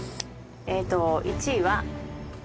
えっと１位は。